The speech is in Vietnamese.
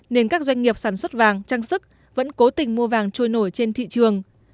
nên các doanh nghiệp sản xuất vàng trang sức vẫn cố tình mua vàng trôi nổi trên thị trường